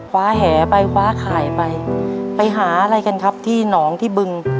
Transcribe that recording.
แหไปคว้าข่ายไปไปหาอะไรกันครับที่หนองที่บึง